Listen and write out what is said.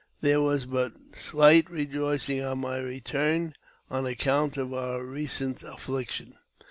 There was but slight re joicing on my return, on account of our recent affliction.